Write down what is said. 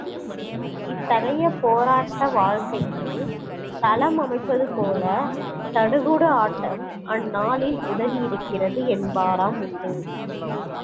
இத்தகைய போராட்ட வாழ்க்கைக்குத் தளம் அமைப்பது போல, சடுகுடு ஆட்டம் அந்நாளில் உதவியிருக்கிறது என்பாரும் உண்டு.